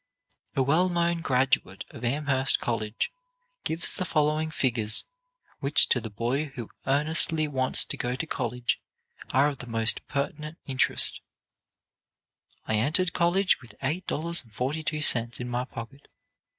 A well known graduate of Amherst college gives the following figures, which to the boy who earnestly wants to go to college are of the most pertinent interest: "I entered college with $8.42 in my pocket.